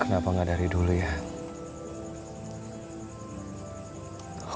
kenapa nggak dari dulu ya